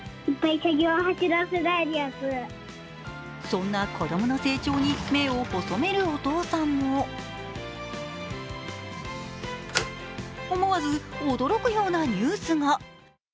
そんな子供の成長に目を細めるお父さんも思わず驚くようなニュースが。